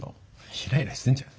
イライラしてんじゃん？